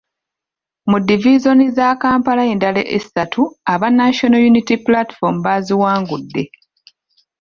Mu divizoni za Kampala endala esatu aba National Unity Platform baziwangudde.